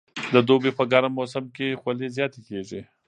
د دوبي په ګرم موسم کې خولې زیاتې کېږي.